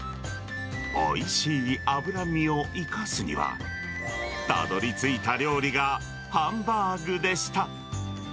おいしい脂身を生かすには、たどりついた料理がハンバーグでした。